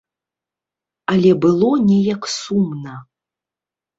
Але было неяк сумна.